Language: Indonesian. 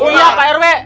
iya pak rw